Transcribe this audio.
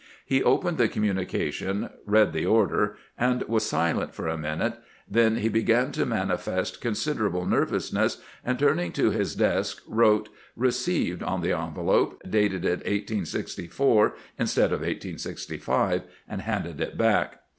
He opened the communication, read the order, and was silent for a minute ; then he began to manifest consider able nervousness, and turning to his desk, wrote "Re ceived " on the envelop, dated it 1864 instead of 1865, 374 CAMPAIGNING WITH GEANT and handed it back.